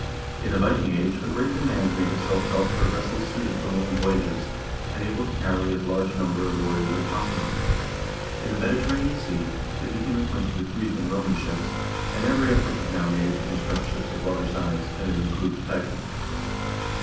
In the Viking Age a great demand made itself felt for vessels suited for long voyages, and able to carry as large a number of warriors as possible. In the Mediterranean Sea they became acquainted with Greek and Roman ships, and every effort was now made to construct ships of large size, and of improved type.